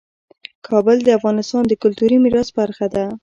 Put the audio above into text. کابل د افغانستان د کلتوري میراث برخه ده.